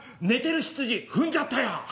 寝てるヒツジ踏んじゃったよ！